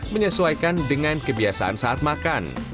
menyesuaikan dengan kebiasaan saat makan